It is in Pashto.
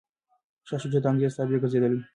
شاه شجاع د انګریز تابع ګرځېدلی و.